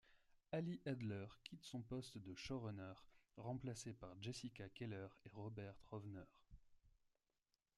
Ali Adler quitte son poste de showrunner, remplacée par Jessica Queller et Robert Rovner.